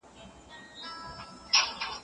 يو منظم چاپېريال د ژوند لپاره اړين دی.